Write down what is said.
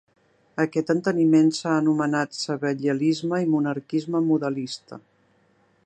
Aquest enteniment s'ha anomenat Sabellianisme i monarquisme modalista.